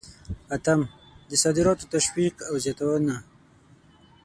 اتم: د صادراتو تشویق او زیاتونه.